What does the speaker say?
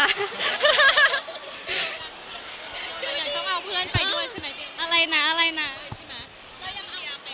เราต้องเอาเพื่อนไปด้วยใช่ไหมพี่อะไรนะอะไรนะใช่ไหม